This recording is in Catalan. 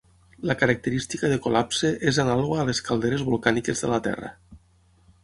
La característica de col·lapse és anàloga a les calderes volcàniques de la Terra.